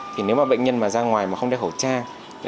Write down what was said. thì nếu mà bệnh nhân mà ra ngoài mà không đeo khẩu trang